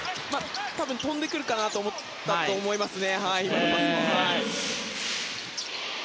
多分、跳んでくるかなと思ったと思いますね。